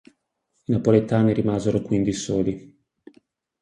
I napoletani rimasero quindi soli.